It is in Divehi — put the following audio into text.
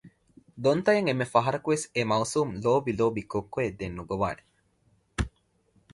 ދޮންތައަށް އެންމެ ފަހަރަކުވެސް އެ މައުސޫމު ލޮބިލޯބި ކޮއްކޮއެއް ދެން ނުގޮވާނެ